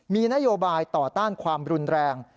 มีนโยบายต่อต้านความรุนแรง